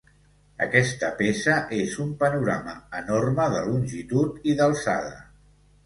Aquesta peça és un panorama enorme de longitud i d'alçada.